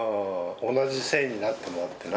同じ姓になってもらってな。